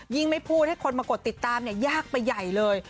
ไม่พูดให้คนมากดติดตามยากไปใหญ่เลย